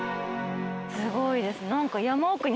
すごいです。